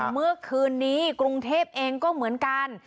เมื่อคืนนี้กรุงเทพเองก็เหมือนกัน